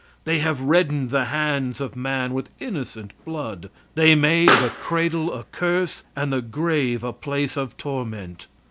They have reddened the hands of man with innocent blood. They made the cradle a curse, and the grave a place of torment.